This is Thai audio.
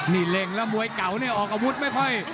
นี่เล็งแล้วมวยเก่าเนี่ยออกอาวุธไม่ค่อย